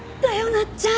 なっちゃん。